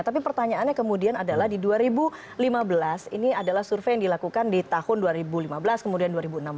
tapi pertanyaannya kemudian adalah di dua ribu lima belas ini adalah survei yang dilakukan di tahun dua ribu lima belas kemudian dua ribu enam belas